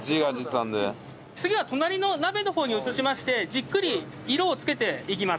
次は隣の鍋の方に移しましてじっくり色を付けていきます。